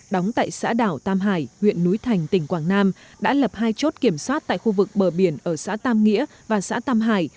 đóng tại xã đảo tam hải huyện núi thành tỉnh quảng nam đã lập hai chốt kiểm soát tại khu vực bờ biển ở xã tam nghĩa và xã tam hải